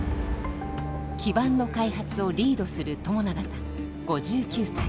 基板の開発をリードする友永さん５９歳。